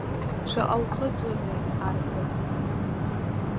Шаҟа ухыҵуазеи арԥыс?